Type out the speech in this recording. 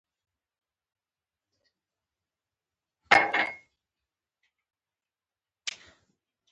په نقاشۍ کې د یوې نجلۍ انځور جوړ شوی و